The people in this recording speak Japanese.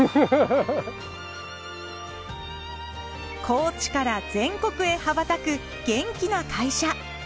高知から全国へ羽ばたく元気な会社。